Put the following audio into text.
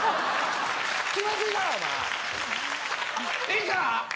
いいか？